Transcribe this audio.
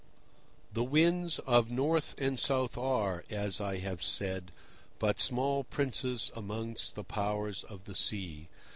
The winds of North and South are, as I have said, but small princes amongst the powers of the sea.